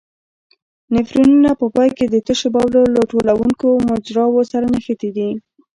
نفرونونه په پای کې د تشو بولو له ټولوونکو مجراوو سره نښتي دي.